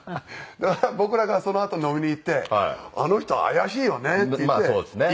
だから僕らがそのあと飲みに行って「あの人怪しいよね」って言って意気投合したんですよね。